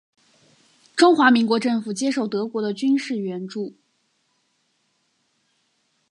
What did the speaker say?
中华民国政府接受德国的军事援助。